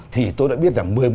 thì tôi đã biết rằng